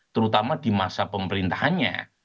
terutama di masa pemerintahannya